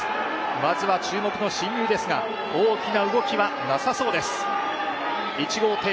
まずは注目の進入ですが、大きな動きはなさそうです。